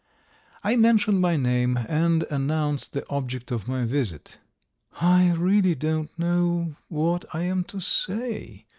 I mentioned my name, and announced the object of my visit. "I really don't know what I am to say!"